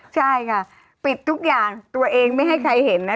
ใช่ค่ะปิดทุกอย่างตัวเองไม่ให้ใครเห็นนะ